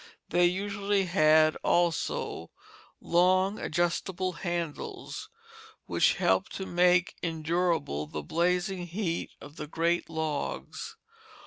They usually had, also, long, adjustable handles, which helped to make endurable the blazing heat of the great logs.